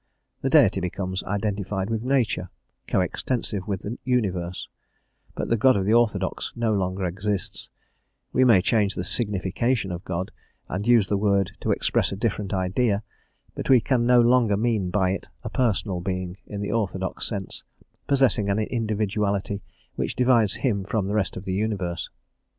The Deity becomes identified with nature, co extensive with the universe; but the God of the orthodox no longer exists; we may change the signification of God, and use the word to express a different idea, but we can no longer mean by it a Personal Being in the orthodox sense, possessing an individuality which divides him from the rest of the universe.